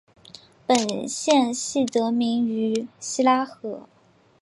本县系得名于希拉河。